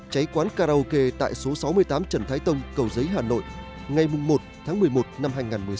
cháy quán karaoke tại số sáu mươi tám trần thái tông cầu giấy hà nội ngày một tháng một mươi một năm hai nghìn một mươi sáu